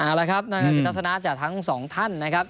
เอาละครับวิทยาการิตรัสนาจากทั้งสองท่านนะครับ